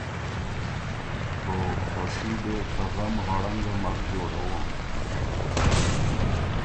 او خوشي دې ته غم غړنګه مک جوړَوون۔